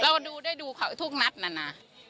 เราได้ดูเขาทุกนัดนั้นนะ